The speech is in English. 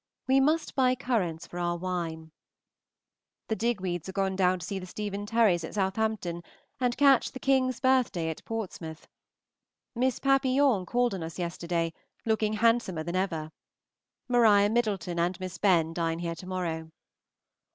We must buy currants for our wine. The Digweeds are gone down to see the Stephen Terrys at Southampton, and catch the King's birthday at Portsmouth. Miss Papillon called on us yesterday, looking handsomer than ever. Maria Middleton and Miss Benn dine here to morrow.